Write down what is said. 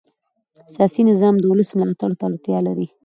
سیاسي نظام د ولس ملاتړ ته اړتیا لري